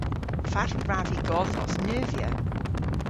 Fatel wrav vy godhvos neuvya?